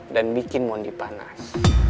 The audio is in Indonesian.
dan bikin wondi panas